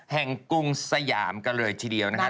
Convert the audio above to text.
แห่งกรุงสยามกันเลยทีเดียวนะคะ